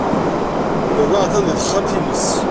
Baba atan deg texxamt-nnes.